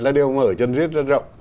là đều mở chân riết rất rộng